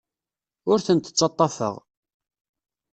Ur tent-ttaḍḍafeɣ.